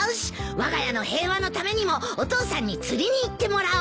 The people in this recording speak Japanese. わが家の平和のためにもお父さんに釣りに行ってもらおう。